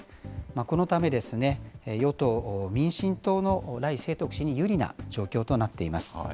このため、与党・民進党の頼清徳氏に有利な状況となっています。